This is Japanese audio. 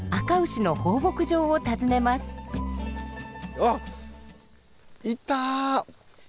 あっいた！